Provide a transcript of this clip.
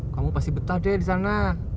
kamu pasti betah deh disana